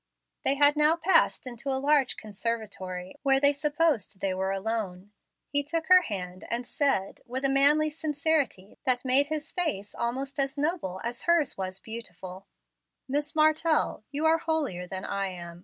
They had now passed into a large conservatory, where they supposed they were alone. He took her hand and said, with a manly sincerity that made his face almost as noble as hers was beautiful: "Miss Martell, you are holier than I am.